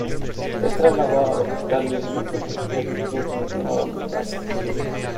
Es trasladada al hospital y mientras permanece allí, Tom continúa dando clases.